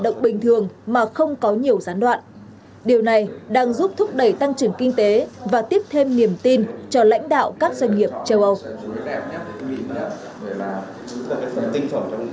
hoạt động bình thường mà không có nhiều gián đoạn điều này đang giúp thúc đẩy tăng trưởng kinh tế và tiếp thêm niềm tin cho lãnh đạo các doanh nghiệp châu âu